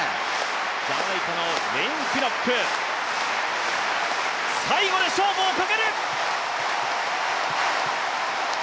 ジャマイカのウェイン・ピノック、最後の勝負をかける！